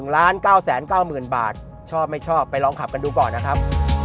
๑๙๙๐๐๐บาทชอบไม่ชอบไปลองขับกันดูก่อนนะครับ